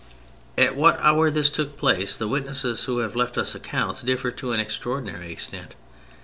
At what hour this took place the witnesses who have left us accounts differ to an extraordinary extent.